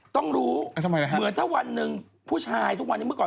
ต้องรู้เหมือน